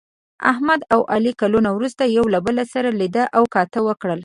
احمد او علي کلونه وروسته یو له بل سره لیده کاته وکړل.